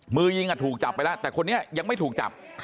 มือยิงถูกจับไปแล้วแต่คนนี้ยังไม่ถูกจับ